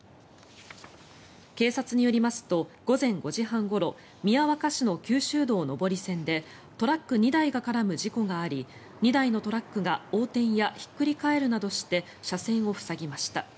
警察によりますと午前５時半ごろ宮若市の九州道上り線でトラック２台が絡む事故があり２台のトラックが横転やひっくり返るなどして車線を塞ぎました。